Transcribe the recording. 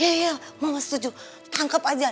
iya iya mama setuju tangkep aja